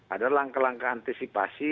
ada langkah langkah antisipasi